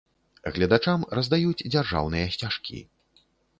Гледачам раздаюць дзяржаўныя сцяжкі.